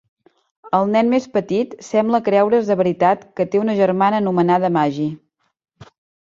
El nen més petit sembla creure's de veritat que té una germana anomenada Maggie.